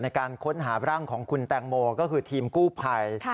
ในการค้นหาร่างของคุณแตงโมก็คือทีมกู้ภัย